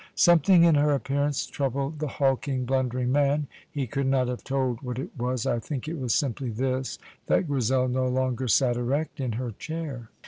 Something in her appearance troubled the hulking, blundering man. He could not have told what it was. I think it was simply this that Grizel no longer sat erect in her chair.